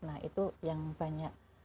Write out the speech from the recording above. nah itu yang banyak